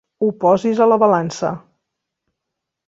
Ho posis a la balança.